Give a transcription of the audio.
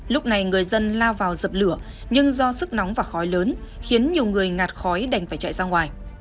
lúc này người dân lao vào dập lửa nhưng do sức nóng và khói lớn khiến nhiều người ngạt khói đành phải chạy ra ngoài